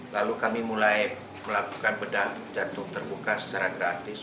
lalu kami mulai melakukan bedah jantung terbuka secara gratis